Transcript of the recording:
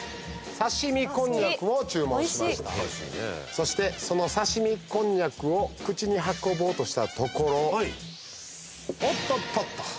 そしてその刺身こんにゃくを口に運ぼうとしたところ「おっとっとっと！」。